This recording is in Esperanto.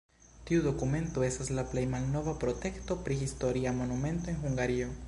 Tiu dokumento estas la plej malnova protekto pri historia monumento en Hungario.